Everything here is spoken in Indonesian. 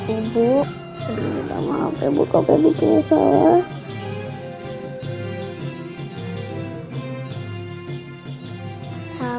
ibu maaf ibu kok jadi kira salah